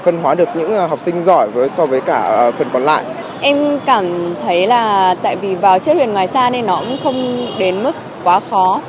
nó cũng không đến mức quá khó